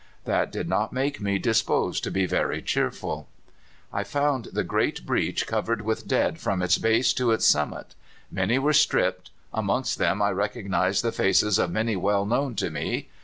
"That did not make me disposed to be very cheerful. "I found the great breach covered with dead from its base to its summit. Many were stripped. Amongst them I recognized the faces of many well known to me.